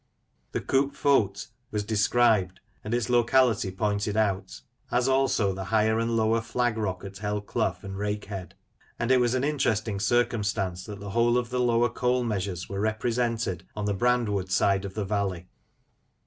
The " Coupe Fault " was described, and its locality pointed out; as also the higher and lower flag rock at Hell Clough and Rake Head ; and it was an interesting circumstance that the whole of the lower coal measures were represented on the Brandwood side of the valley.